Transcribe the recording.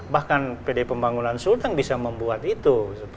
bahkan pd pembangunan sultan bisa membuat itu